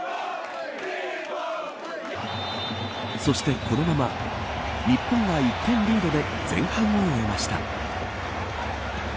そして、このまま日本が１点リードで前半を終えました。